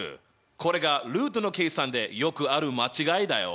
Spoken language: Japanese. これがルートの計算でよくある間違いだよ。